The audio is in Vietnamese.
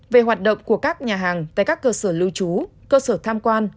về hoạt động của các nhà hàng tại các cơ sở lưu trú cơ sở tham quan